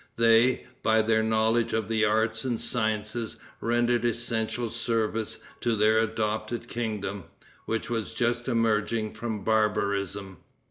They, by their knowledge of the arts and sciences, rendered essential service to their adopted kingdom, which was just emerging from barbarism.